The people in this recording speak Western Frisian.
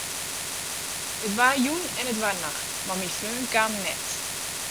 It waard jûn en it waard nacht, mar myn freon kaam net.